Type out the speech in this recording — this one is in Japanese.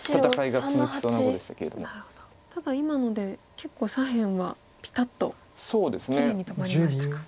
ただ今ので結構左辺はピタッときれいに止まりましたか。